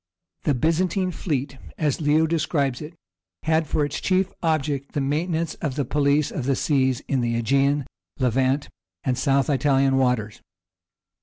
The Byzantine fleet, as Leo describes it, had for its chief object the maintenance of the police of the seas in the Aegean, Levant, and South Italian waters.